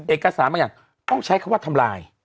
เอกสารต้องใช้คำว่าทำลาย